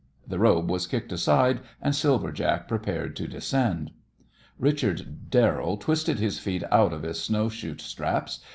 The robe was kicked aside, and Silver Jack prepared to descend. Richard Darrell twisted his feet out of his snow shoe straps.